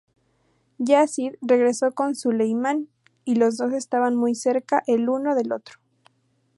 Yazid regresó con Suleimán y los dos estaban muy cerca el uno del otro.